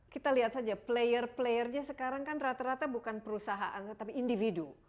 kita lihat saja player playernya sekarang kan rata rata bukan perusahaan tapi individu